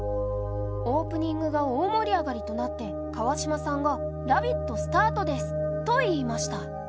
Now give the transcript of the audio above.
オープニングが大盛り上がりになって川島さんが「ラヴィット！」スタートですと言いました。